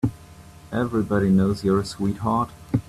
Everybody knows you're a sweetheart.